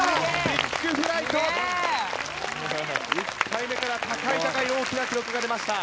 １回目から高い高い大きな記録が出ました。